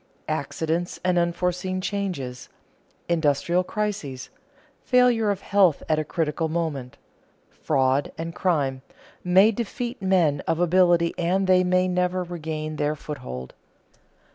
Accidents and unforeseen changes, industrial crises, failure of health at a critical moment, fraud and crime, may defeat men of ability and they may never regain their foothold.